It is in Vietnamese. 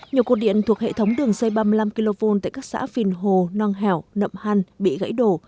nhiều cột điện thuộc hệ thống đường dây ba mươi năm kv tại các xã phìn hồ nong hẻo nậm hăn bị gãy đổ